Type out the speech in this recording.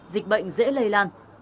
dịch bệnh dễ lây lại